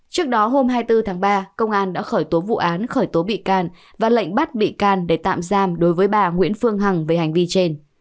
trước đó hôm hai mươi bốn tháng ba công an đã khởi tố vụ án khởi tố bị can và lệnh bắt bị can để tạm giam đối với bà nguyễn phương hằng về hành vi trên